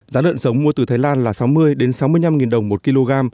giá lợn sống mua từ thái lan là sáu mươi sáu mươi năm đồng một kg